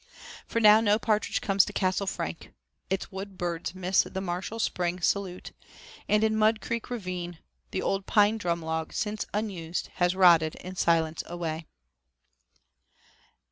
For now no partridge comes to Castle Frank. Its wood birds miss the martial spring salute, and in Mud Creek Ravine the old pine drumlog, since unused, has rotted in silence away.